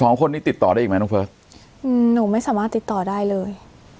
สองคนนี้ติดต่อได้อีกไหมน้องเฟิร์สอืมหนูไม่สามารถติดต่อได้เลย